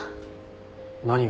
何が？